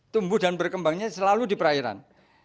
tumbuh dan berkembangnya selalu di perairan